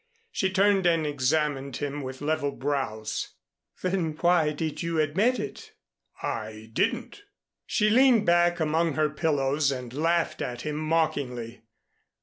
She turned and examined him with level brows. "Then why did you admit it?" "I didn't." She leaned back among her pillows and laughed at him mockingly.